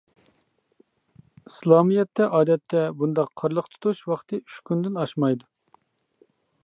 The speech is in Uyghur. ئىسلامىيەتتە ئادەتتە بۇنداق قارلىق تۇتۇش ۋاقتى ئۈچ كۈندىن ئاشمايدۇ.